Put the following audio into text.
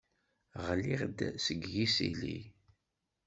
Ɣliɣ-d seg yisili?